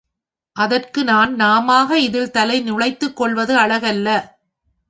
அதற்கு நான் நாமாக இதில் தலை நுழைத் துக்கொள்வது அழகல்ல.